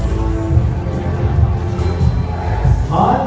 สโลแมคริปราบาล